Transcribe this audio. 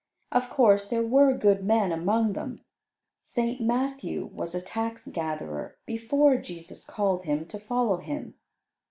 Of course, there were good men among them; St. Matthew was a tax gatherer before Jesus called him to follow Him.